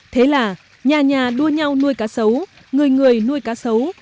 thế là nhà nhà đua nhau nuôi cá sấu người người nuôi cá sấu